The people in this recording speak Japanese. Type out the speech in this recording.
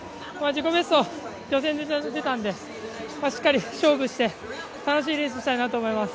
自己ベスト、予選で出たんでしっかり勝負して楽しいレースをしたいなと思います。